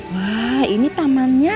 wah ini tamannya